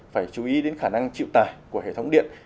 phải chú ý đến khả năng chịu tải của hệ thống điện